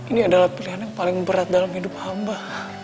ini adalah pilihan yang paling berat dalam hidup hamba